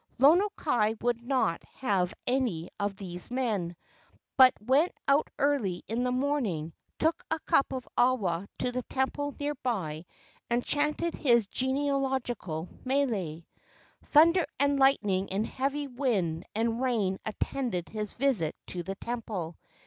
Lono kai would not have any of these men, but went out early in the morn¬ ing, took a cup of awa to the temple nearby and chanted his genealogical mele. Thunder and lightning and heavy wind and rain attended his visit to the temple.